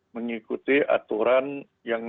mengikuti aturan yang